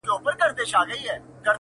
مامې په سکروټو کې خیالونه ورلېږلي وه-